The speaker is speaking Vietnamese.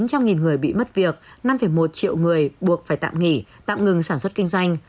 bốn trăm linh người bị mất việc năm một triệu người buộc phải tạm nghỉ tạm ngừng sản xuất kinh doanh